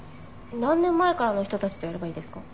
何年前からの人たちとやればいいですか？